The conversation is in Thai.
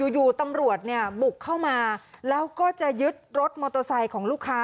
อยู่ตำรวจเนี่ยบุกเข้ามาแล้วก็จะยึดรถมอเตอร์ไซค์ของลูกค้า